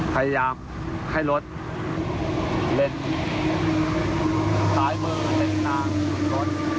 พยายามให้รถเล่นซ้ายมือเส้นทางรถ